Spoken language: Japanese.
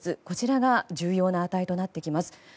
こちらが重要な値となってきます。